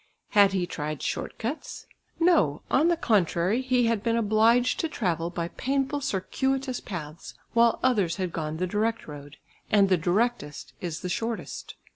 Had he tried short cuts? No, on the contrary, he had been obliged to travel by painful circuitous paths, while others had gone the direct road, and the directest is the shortest.